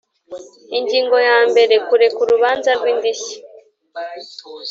Ingingo ya mbere Kureka urubanza rw indishyi